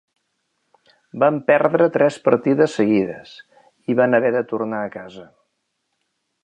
Van perdre tres partides seguides, i van haver de tornar a casa.